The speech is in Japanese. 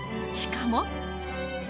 しかも。